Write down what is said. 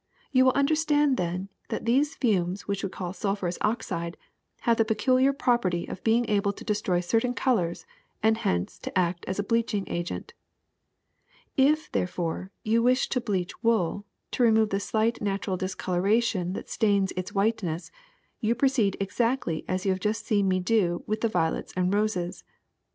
You will undertsand, then, that these fumes, which we call sulphurous oxide, have the peculiar prop erty of being able to destroy certain colors and hence to act as a bleaching agent. ^'If, therefore, you wish to bleach wool, to remove the slight natural discoloration that stains its white ness, you proceed exactly as you have just seen me do with the violets and roses.